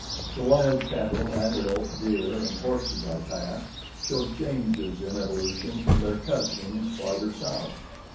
The wild cattle, antelope, deer, and horses I passed showed changes in evolution from their cousins farther south.